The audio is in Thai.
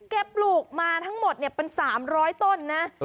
ปลูกมาทั้งหมดเป็น๓๐๐ต้นนะ